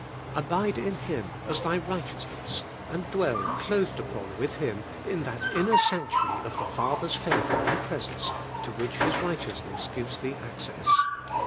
Abide in Him as thy righteousness, and dwell clothed upon with Him in that inner sanctuary of the Father's favour and presence to which His righteousness gives thee access.